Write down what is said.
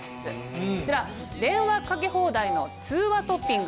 こちら電話かけ放題の通話トッピング。